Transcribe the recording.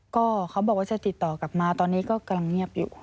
ก็เขาบอกว่าจะติดต่อกลับมาตอนนี้ก็กำลังเงียบอยู่